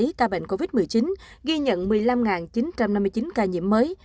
hệ thống quản lý ca bệnh covid một mươi chín ghi nhận một mươi năm chín trăm năm mươi chín ca nhiễm mới